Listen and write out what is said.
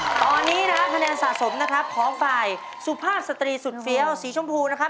ตอนนี้นะครับคะแนนสะสมนะครับของฝ่ายสุภาพสตรีสุดเฟี้ยวสีชมพูนะครับ